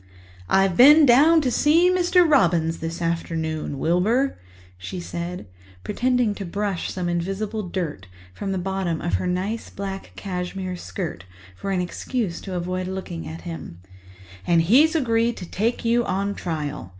"I've been down to see Mr. Robins this afternoon, Wilbur," she said, pretending to brush some invisible dust from the bottom of her nice black cashmere skirt for an excuse to avoid looking at him, "and he's agreed to take you on trial.